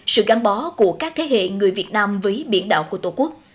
sự gắn bó của các thế hệ người việt nam với biển đảo của tổ quốc